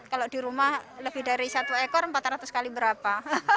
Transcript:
kalau di rumah lebih dari satu ekor empat ratus kali berapa